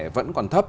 vẫn còn thấp